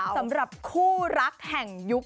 สำหรับคู่รักแห่งยุค